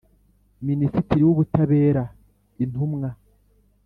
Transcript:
Ministitri w Ubutabera Intumwa